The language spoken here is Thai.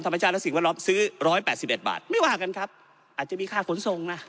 ธรรมชาติและสิ่งวันร้อนซื้อร้อยแปดสิบเด็ดบาทไม่ว่ากันครับอาจจะมีค่าขนส่งน่ะ